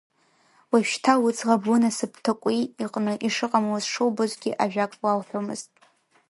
Уажәшьҭа лыӡӷаб лынасыԥ Ҭакәи иҟны ишыҟамлоз шылбозгьы, ажәак лалҳәомызт.